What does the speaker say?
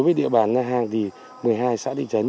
giang thì một mươi hai xã địa chấn